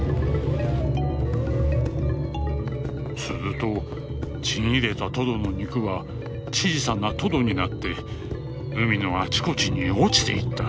「するとちぎれたトドの肉は小さなトドになって海のあちこちに落ちていった。